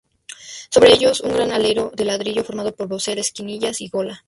Sobre ellos un gran alero de ladrillo formado por bocel, esquinillas y gola.